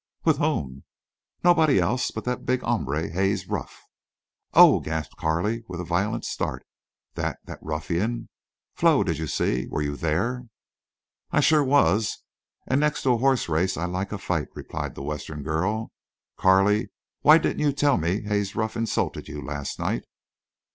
"With whom?" "Nobody else but that big hombre, Haze Ruff." "Oh!" gasped Carley, with a violent start. "That—that ruffian! Flo, did you see—were you there?" "I shore was, an' next to a horse race I like a fight," replied the Western girl. "Carley, why didn't you tell me Haze Ruff insulted you last night?"